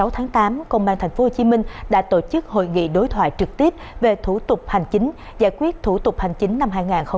hai mươi tháng tám công an tp hcm đã tổ chức hội nghị đối thoại trực tiếp về thủ tục hành chính giải quyết thủ tục hành chính năm hai nghìn hai mươi ba